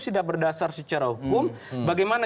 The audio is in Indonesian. sudah berdasar secara hukum bagaimana